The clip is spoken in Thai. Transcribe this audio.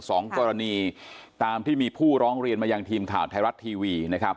สองกรณีตามที่มีผู้ร้องเรียนมายังทีมข่าวไทยรัฐทีวีนะครับ